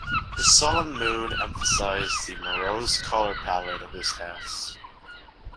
His sullen mood emphasized the morose color palette of his house.